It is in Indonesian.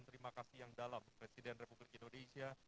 terima kasih yang dalam presiden republik indonesia